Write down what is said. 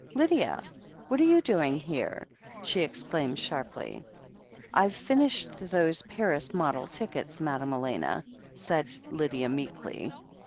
'Xydia! What are you doing here?" she exclaimed sharply. 'Tve finished diose Paris model tidcets, Madame Elena,^^ said Lydia meddy.